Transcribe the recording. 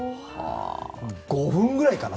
５分ぐらいかな